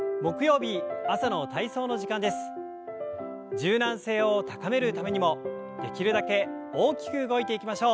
柔軟性を高めるためにもできるだけ大きく動いていきましょう。